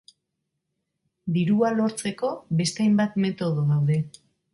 Dirua lortzeko beste hainbat metodo daude.